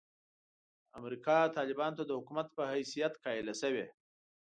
امریکا طالبانو ته د حکومت په حیثیت قایله شوې.